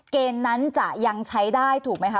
เกณฑ์นั้นจะยังใช้ได้ถูกไหมคะ